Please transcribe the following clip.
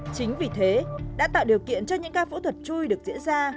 chính vì thế đã tạo điều kiện cho những ca phẫu thuật chui được diễn ra